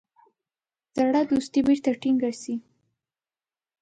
زړه دوستي بیرته ټینګه سي.